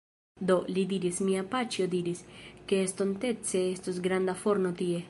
Do, li diris... mia paĉjo diris, ke estontece estos granda forno tie